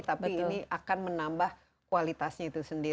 tapi ini akan menambah kualitasnya itu sendiri